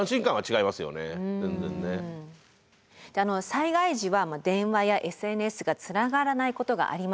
災害時は電話やＳＮＳがつながらないことがあります。